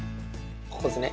ここですね。